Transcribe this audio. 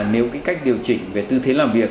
nếu cái cách điều chỉnh về tư thế làm việc